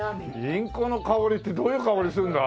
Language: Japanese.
インコの香りってどういう香りするんだ？